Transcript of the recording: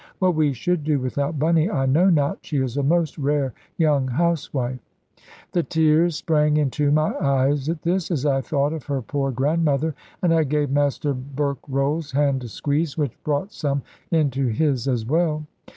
What we should do without Bunny I know not. She is a most rare young housewife." The tears sprang into my eyes at this, as I thought of her poor grandmother, and I gave Master Berkrolles' hand a squeeze which brought some into his as well.